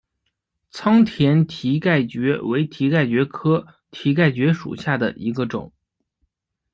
仓田蹄盖蕨为蹄盖蕨科蹄盖蕨属下的一个种。